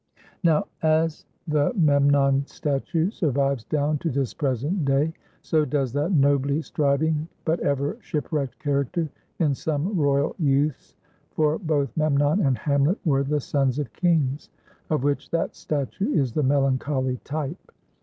Now as the Memnon Statue survives down to this present day, so does that nobly striving but ever shipwrecked character in some royal youths (for both Memnon and Hamlet were the sons of kings), of which that statue is the melancholy type.